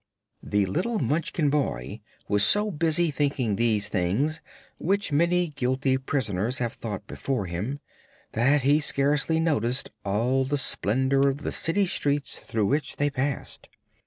The little Munchkin boy was so busy thinking these things which many guilty prisoners have thought before him that he scarcely noticed all the splendor of the city streets through which they passed.